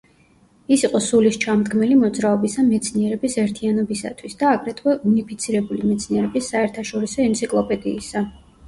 ის იყო სულისჩამდგმელი მოძრაობისა მეცნიერების ერთიანობისათვის და აგრეთვე „უნიფიცირებული მეცნიერების საერთაშორისო ენციკლოპედიისა“.